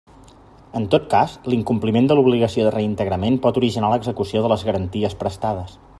En tot cas, l'incompliment de l'obligació de reintegrament pot originar l'execució de les garanties prestades.